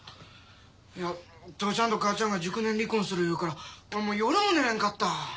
いや父ちゃんと母ちゃんが熟年離婚する言うから俺もう夜も寝れんかった。